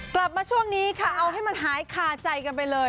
กลับมาช่วงนี้ค่ะเอาให้มันหายคาใจกันไปเลย